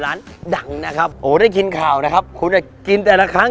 ร้านดังนะครับโอ้ได้ยินข่าวนะครับคุณอ่ะกินแต่ละครั้ง